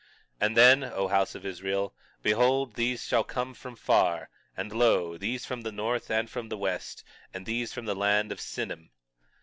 21:12 And then, O house of Israel, behold, these shall come from far; and lo, these from the north and from the west; and these from the land of Sinim.